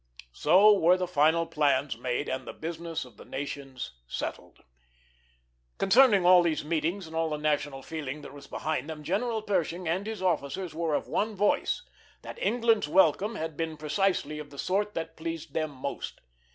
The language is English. So were the final plans made and the business of the nations settled. Concerning all these meetings and all the national feeling that was behind them, General Pershing and his officers were of one voice that England's welcome had been precisely of the sort that pleased them most.